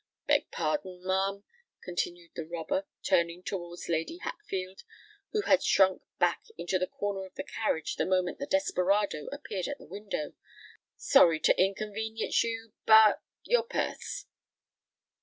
Beg pardon, ma'am," continued the robber, turning towards Lady Hatfield, who had shrunk back into the corner of the carriage the moment the desperado appeared at the window; "sorry to inconvenience you; but—your purse!"